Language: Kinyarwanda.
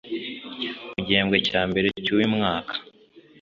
mu gihembwe cya mbere cy'uyu mwaka,